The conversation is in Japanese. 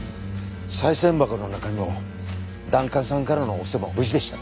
賽銭箱の中身も檀家さんからのお布施も無事でした。